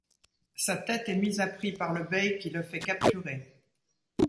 Sa tête est mise à prix par le bey qui le fait capturer.